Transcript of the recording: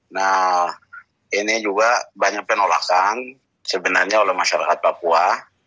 nah ini juga banyak penolakan sebenarnya oleh masyarakat papua